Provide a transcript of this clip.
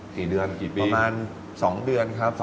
กี่เดือนกี่ปีประมาณ๒เดือนครับ